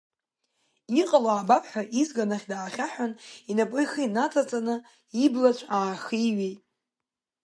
Иҟало аабап ҳәа, изган ахь даахьаҳәын, инапы ихы инаҵаҵаны, иблацә аахиҩеит.